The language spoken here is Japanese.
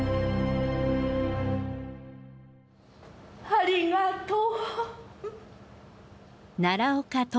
「ありがとう。うう」。